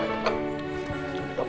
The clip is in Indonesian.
ayut mereka utuh